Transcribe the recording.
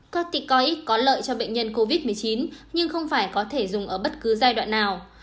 các tịch có ích có lợi cho bệnh nhân covid một mươi chín nhưng không phải có thể dùng ở bất cứ giai đoạn nào